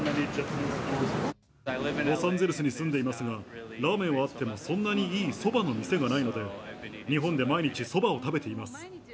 ロサンゼルスに住んでいますが、ラーメンはあっても、そんなにいいそばの店がないので、日本で毎日そばを食べています。